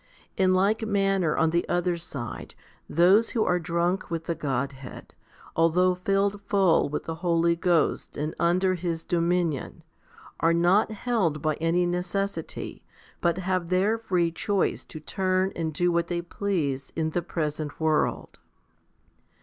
In like manner on the other side those who are drunk with the Godhead, although filled full with the Holy Ghost and under His dominion, are not held by any necessity, but have their free choice to turn and do what they please in the present world.